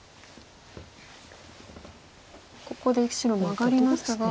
ここで白マガりましたが。